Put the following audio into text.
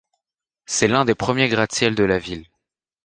C'est l'un des premiers gratte-ciel de la ville.